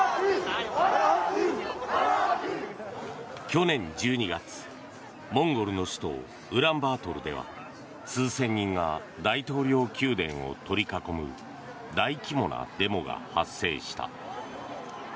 去年１２月、モンゴルの首都ウランバートルでは数千人が大統領宮殿を取り囲む大規模なデモが発生した。